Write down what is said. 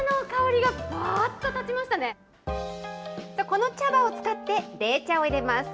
この茶葉を使って、冷茶をいれます。